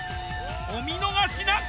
お見逃し無く！